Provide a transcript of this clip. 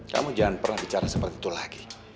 kamu jangan pernah bicara seperti itu lagi